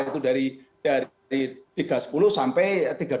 yaitu dari tiga ratus sepuluh sampai tiga ratus dua puluh satu